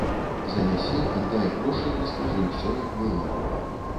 Занясі, аддай грошы і раскажы ўсё, як было.